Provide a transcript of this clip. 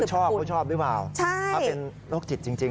ชอบเขาชอบหรือเปล่าถ้าเป็นโรคจิตจริง